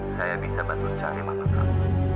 saya bisa bantu cari mama kamu